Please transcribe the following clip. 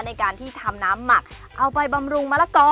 ในการที่ทำน้ำหมักเอาไปบำรุงมะละกอ